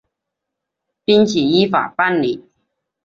岳起依法办理。